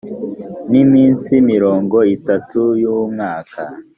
ni iminsi mirongo itatu y ‘umwaka.